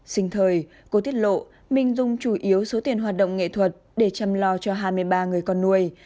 sinh thời cô tiết lộ mình dùng chủ yếu số tiền hoạt động nghệ thuật để chăm lo cho hai mươi ba người con nuôi